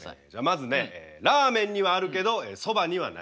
まずねラーメンにはあるけどそばにはない。